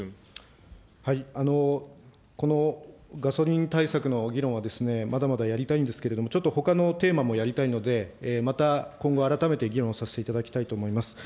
このガソリン対策の議論はですね、まだまだやりたいんですけれども、ちょっとほかのテーマもやりたいので、また今後、改めて議論させていただきたいと思います。